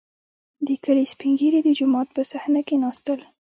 • د کلي سپین ږیري د جومات په صحنه کښېناستل.